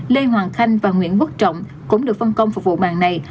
lê hoàng khanh và nguyễn quốc trọng cũng được phân công phục vụ mạng này